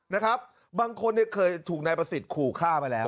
นะครับบางคนเนี่ยเคยถูกนายประสิทธิ์ขู่ฆ่ามาแล้ว